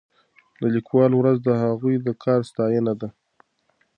د لیکوالو ورځ د هغوی د کار ستاینه ده.